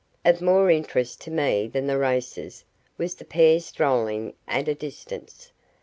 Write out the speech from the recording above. Of more interest to me than the races was the pair strolling at a distance.